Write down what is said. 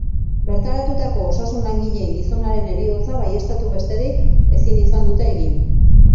Bertaratutako osasun langileen gizonaren heriotza baieztatu besterik ezin izan dute egin.